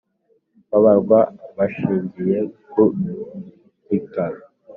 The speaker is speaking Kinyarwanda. babarwa bashingiye ku gika.